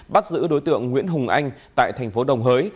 bắt giữ đối tượng nguyễn hùng anh tại thành phố đồng hới